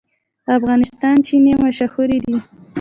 د افغانستان چپنې مشهورې دي